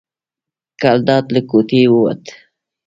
ګلداد له کوټې ووت.